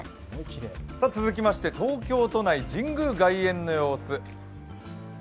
続きまして東京都内、神宮外苑の様子。